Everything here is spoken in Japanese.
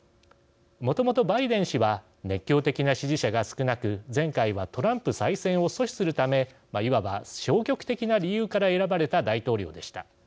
もともとバイデン氏は熱狂的な支持者が少なく前回はトランプ再選を阻止するためいわば消極的な理由から選ばれた大統領でした。